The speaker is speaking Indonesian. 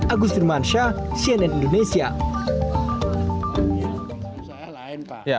agustin mansyah cnn indonesia